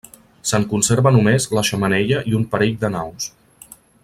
Se'n conserva només la xemeneia i un parell de naus.